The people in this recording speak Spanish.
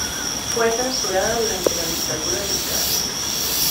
Fue censurada durante la dictadura militar.